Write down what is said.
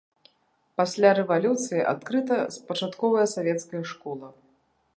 Пасля рэвалюцыі адкрыта пачатковая савецкая школа.